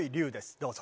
どうぞ。